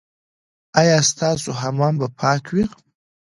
ایا ستاسو حمام به پاک وي؟